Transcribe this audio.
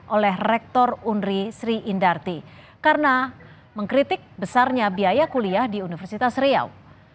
oleh rektor unri sri indarti karena mengkritik besarnya biaya kuliah di universitas riau